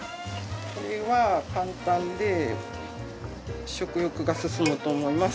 これは簡単で食欲がすすむと思います。